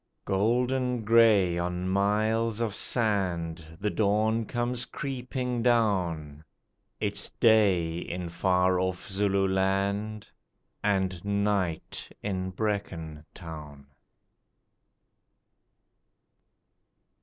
_Golden grey on miles of sand The dawn comes creeping down; It's day in far off Zululand And night in Brecon Town.